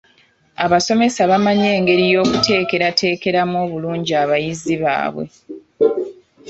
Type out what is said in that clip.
Abasomesa bamanyi engeri y'okuteekerateekeramu obulungi abayizi baabwe.